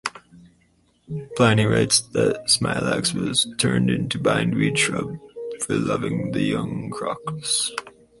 Pliny writes that Smilax was turned into bindweed shrub for loving the young Crocus.